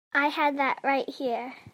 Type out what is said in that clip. I had that right here.